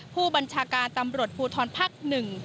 ผู้บัญชาการตำรวจภูทรภักดิ์๑